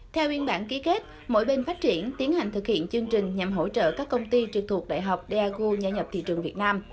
theo biên bản ký kết mỗi bên phát triển tiến hành thực hiện chương trình nhằm hỗ trợ các công ty trực thuộc đại học daego gia nhập thị trường việt nam